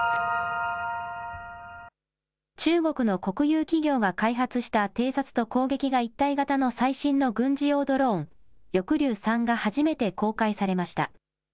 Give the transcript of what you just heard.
中国の国有企業が開発した偵察と攻撃が一体型の最新の軍事用ドローン、翼竜３が初めて公開されました。